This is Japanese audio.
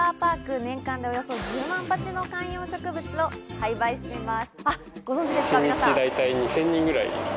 年間でおよそ１０万鉢の観葉植物を販売しています。